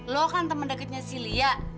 lo kan temen deketnya si lia